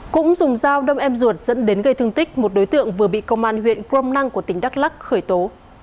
cũng dùng dao đâm em ruột dẫn đến gây thương tích một đối tượng vừa bị công an huyện crom năng của tỉnh đắk lắc khởi tố